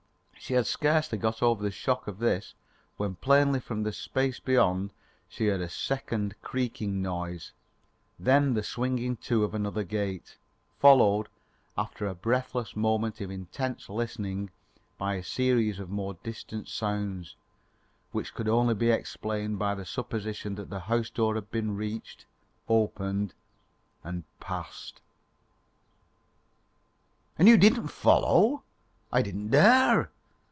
She had scarcely got over the shock of this when plainly from the space beyond she heard a second creaking noise, then the swinging to of another gate, followed, after a breathless moment of intense listening, by a series of more distant sounds, which could only be explained by the supposition that the house door had been reached, opened and passed. "And you didn't follow?" "I didn't dare."